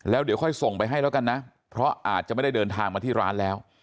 แล้วเดี๋ยวค่อยส่งไปให้แล้วกันนะเพราะอาจจะไม่ได้เดินทางมาที่ร้านแล้ว